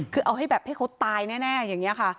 คือเอาให้แบบให้เขาตายแน่อย่างนี้ค่ะ